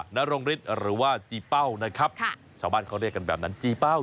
นรงฤทธิ์หรือว่าจีเป้านะครับชาวบ้านเขาเรียกกันแบบนั้นจีเป้า